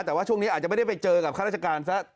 แต่ว่าช่วงนี้อาจจะไม่ได้ไปเจอกับข้าราชการซะ